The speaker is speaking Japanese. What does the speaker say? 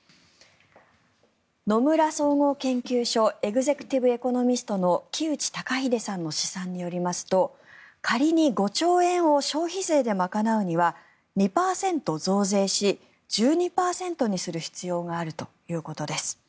野村総合研究所エグゼクティブ・エコノミストの木内登英さんの試算によりますと仮に５兆円を消費税で賄うには２％増税し、１２％にする必要があるということです。